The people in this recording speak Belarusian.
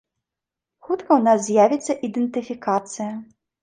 Хутка ў нас з'явіцца ідэнтыфікацыя.